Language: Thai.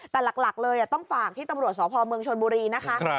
แต่หลักเลยต้องฝากที่ตำรวจสพเมืองชนบุรีนะคะ